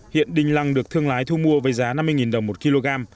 hiện đinh lăng được thương lái thu mua với giá năm mươi đồng một kg